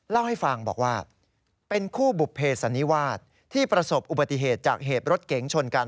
เล่าให้ฟังบอกว่าเป็นคู่บุภเพสันนิวาสที่ประสบอุบัติเหตุจากเหตุรถเก๋งชนกัน